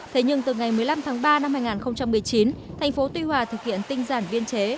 thế nhưng từ ngày một mươi năm tháng ba năm hai nghìn một mươi chín tp tuy hòa thực hiện tinh giản viên chế